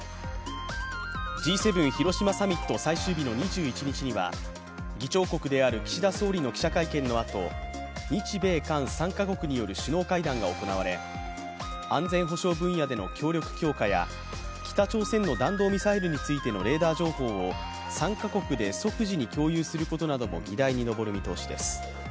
Ｇ７広島サミット最終日の２１日には議長国である岸田総理の記者会見のあと日米韓３か国による首脳会談が行われ、安全保障分野での協力強化や北朝鮮の弾道ミサイルに対するレーダー情報を３か国で即時に共有することなども議題に上る見通しです。